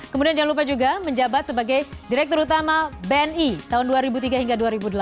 kemudian jangan lupa juga menjabat sebagai direktur utama bni tahun dua ribu tiga hingga dua ribu delapan